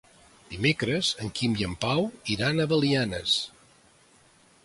Dimecres en Quim i en Pau iran a Belianes.